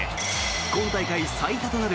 今大会最多となる